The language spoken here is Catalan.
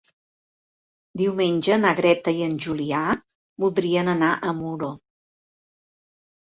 Diumenge na Greta i en Julià voldrien anar a Muro.